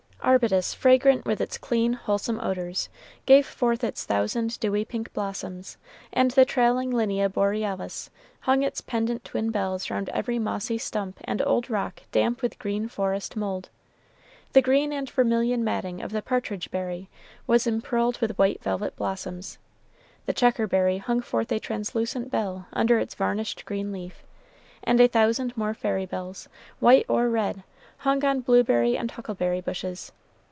Arbutus, fragrant with its clean, wholesome odors, gave forth its thousand dewy pink blossoms, and the trailing Linnea borealis hung its pendent twin bells round every mossy stump and old rock damp with green forest mould. The green and vermilion matting of the partridge berry was impearled with white velvet blossoms, the checkerberry hung forth a translucent bell under its varnished green leaf, and a thousand more fairy bells, white or red, hung on blueberry and huckleberry bushes.